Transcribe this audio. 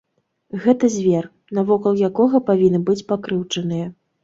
Гэта звер, навокал якога павінны быць пакрыўджаныя.